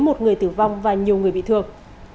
một người tử vong và nhiều người bị thương